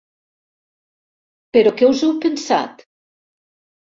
Però què us heu pensat?